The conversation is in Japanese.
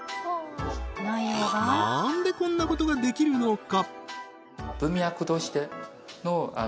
何でこんなことができるのか？